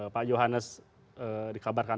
pak johannes dikabarkan